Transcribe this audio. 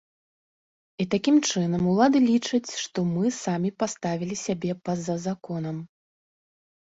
І такім чынам, улады лічаць, што мы самі паставілі сябе па-за законам.